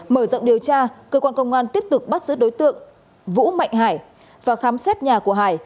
mở rộng điều tra cơ quan công an tiếp tục bắt giữ đối tượng vũ mạnh hải và khám xét nhà của hải